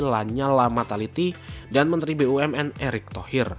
lanyala mataliti dan menteri bumn erick thohir